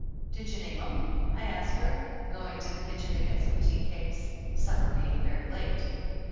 "Did you name 'em?" I asked her, going to the kitchen to get some tea cakes, supper being very late.